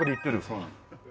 そうなんです。